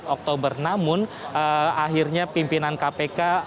oktober namun akhirnya pimpinan kpk